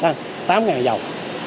tám ngàn dầu